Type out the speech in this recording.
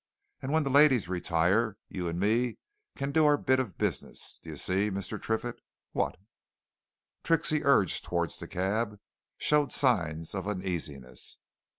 And when the ladies retire, you and me can do our bit of business, d'ye see, Mr. Triffitt. What?" Trixie, urged towards the cab, showed signs of uneasiness.